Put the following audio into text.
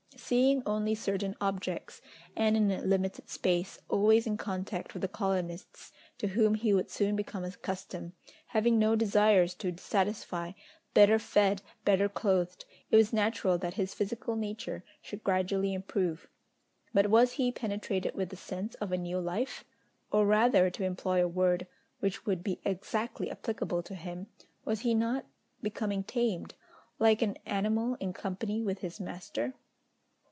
Seeing only certain objects and in a limited space, always in contact with the colonists, to whom he would soon become accustomed, having no desires to satisfy, better fed, better clothed, it was natural that his physical nature should gradually improve; but was he penetrated with the sense of a new life? or rather, to employ a word, which would be exactly applicable to him, was he not becoming tamed, like an animal in company with his master?